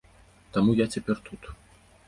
Таму я цяпер тут.